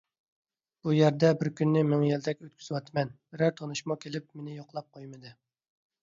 بۇ يەردە بىر كۈننى مىڭ يىلدەك ئۆتكۈزۈۋاتىمەن، بىرەر تونۇشمۇ كېلىپ مېنى يوقلاپ قويمىدى.